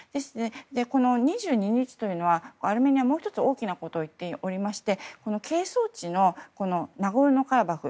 この２２日というのはアルメニア、もう１つ大きなことを言っていまして係争地のナゴルノカラバフ。